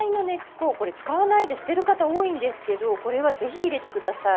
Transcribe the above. これ、使わないで捨てる方多いんですけどこれはぜひ、入れてください。